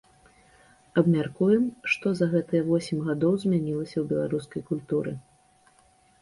Абмяркуем, што за гэтыя восем гадоў змянілася ў беларускай культуры.